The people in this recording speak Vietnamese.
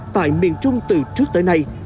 tại miền trung từ trước tới nay